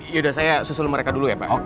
yaudah saya susul mereka dulu ya pak